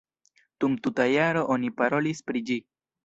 Dum tuta jaro oni parolis pri ĝi.